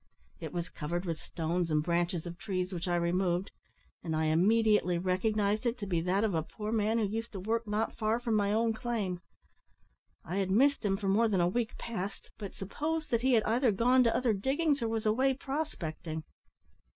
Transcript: It was covered with stones and branches of trees, which I removed, and I immediately recognised it to be that of a poor man who used to work not far from my own claim. I had missed him for more than a week past, but supposed that he had either gone to other diggings, or was away prospecting."